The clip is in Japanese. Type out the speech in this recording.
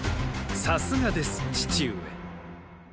さすがです父上。